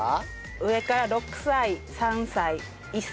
上から６歳３歳１歳です。